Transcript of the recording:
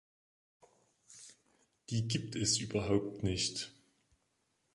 Die gibt es überhaupt nicht!